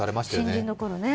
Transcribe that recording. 新人のころね。